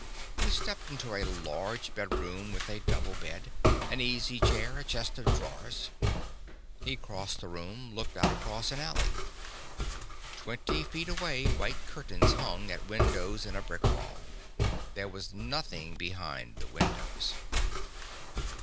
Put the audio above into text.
He stepped into a large bedroom with a double bed, an easy chair, a chest of drawers. He crossed the room, looked out across an alley. Twenty feet away white curtains hung at windows in a brick wall. There was nothing behind the windows.